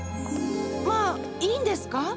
まあいいんですか？